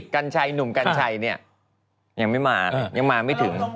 กัญชัยหนุ่มกัญชัยเนี่ยยังไม่มายังมาไม่ถึง